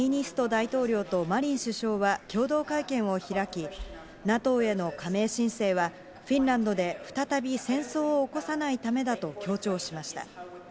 大統領とマリン首相は、共同会見を開き、ＮＡＴＯへの加盟申請は、フィンランドで再び戦争を起こさないためだと強調しました。